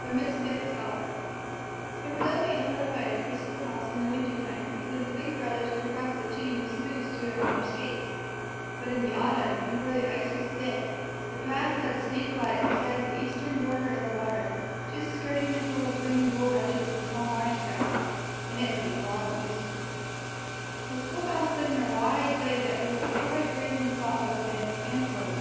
V THE MISFIT SCHOLAR IT was only a little way to the school house in the winter time because the big brothers could cross the chain of sloughs to it on their skates; but, in the autumn, before the ice was thick, the path led snake like beside the eastern border of the water, just skirting the frill of green bulrushes and tall marsh grass, and it was a long distance. The school house stood in a wide glade that was the favorite grazing spot of a band of antelope.